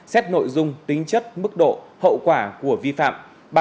xét nội dung tính chất mức độ hậu quả của vi phạm